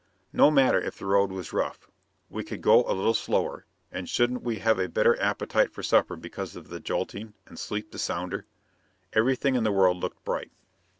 No matter if the road was rough we could go a little slower, and shouldn't we have a better appetite for supper because of the jolting, and sleep the sounder? Everything in the world looked bright.